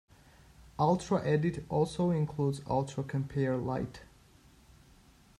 UltraEdit also includes UltraCompare Lite.